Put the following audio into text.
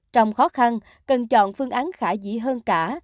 trong khó khăn cần chọn phương án khả dĩ hơn cả